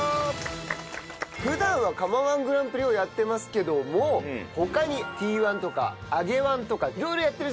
普段は釜−１グランプリをやってますけども他にＴ−１とか揚げ−１とか色々やってるじゃないですか。